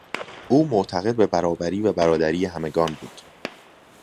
او معتقد به برابری و برادری همگان بود.